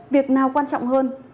việc nào quan trọng hơn